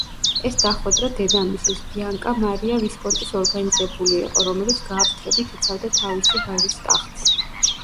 ეს დახვედრა დედამისის, ბიანკა მარია ვისკონტის ორგანიზებული იყო, რომელიც გააფთრებით იცავდა თავისი ვაჟის ტახტს.